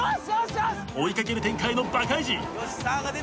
追い掛ける展開のバカイジ。